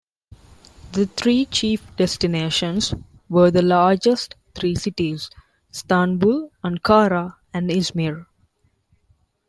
The three chief destinations were the largest three cities: Istanbul, Ankara, and Izmir.